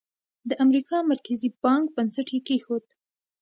د امریکا مرکزي بانک بنسټ یې کېښود.